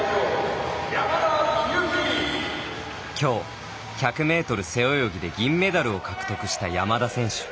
きょう１００ｍ背泳ぎで銀メダルを獲得した山田選手。